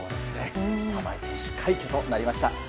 玉井選手、快挙となりました。